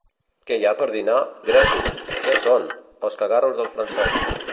—Què hi ha per dinar? —Gresos. —Què són? —Els cagarros dels francesos.